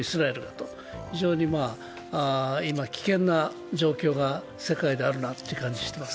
今、非常に危険な状況が世界にはあるなという気がしています。